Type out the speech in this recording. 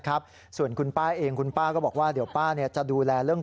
ครับส่วนคุณป้าเองคุณป้าก็บอกว่าเดี๋ยวป้าเนี่ยจะดูแลเรื่อง